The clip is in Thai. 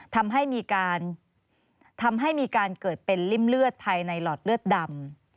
ทำให้มีการเกิดเป็นริมเลือดภายในหลอดเลือดดำ